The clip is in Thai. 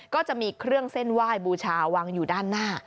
ก็จะมีเครื่องเส้นไหว้บูชาวางอยู่ด้านหน้า